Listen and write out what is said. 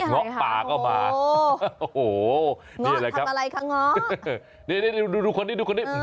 นี่อะไรคะโอ้โฮง็อตทำอะไรคะง็อตนี่ดูคนนี้